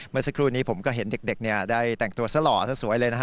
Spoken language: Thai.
เมื่อสักครู่นี้ผมก็เห็นเด็กได้แต่งตัวซะหล่อซะสวยเลยนะฮะ